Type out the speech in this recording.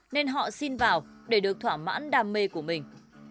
nên họ xin vào để được thỏa mãn đam mê của mình